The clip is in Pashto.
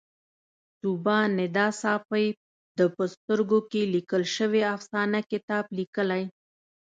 طوبا ندا ساپۍ د په سترګو کې لیکل شوې افسانه کتاب لیکلی